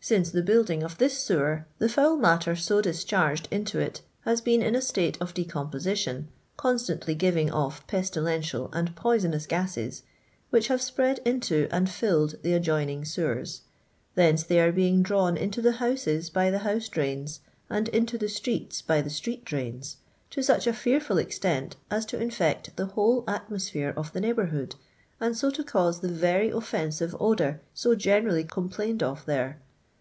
Si^incc the building of this sewer, the foul matter so discharged into it has been in a state of decomposition, constantly giving off pestilential and poisonous gases, which have spread into and filled the adjoining sewers ; thence they are being drawn into the houses by the house drains, and into the streets by the street drains, to such a fearful extent as to infect the whole atmosphere of the neighbourhood, and BO to cause the very offensive odour so gener.illy complained of there.